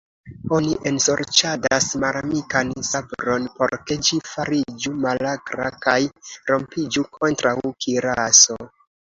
Oni ensorĉadas malamikan sabron, por ke ĝi fariĝu malakra kaj rompiĝu kontraŭ kiraso.